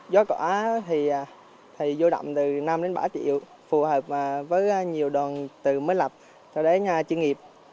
gió cỏ thì vô đậm từ năm đến bảy triệu phù hợp với nhiều đoàn từ mới lập cho đến chuyên nghiệp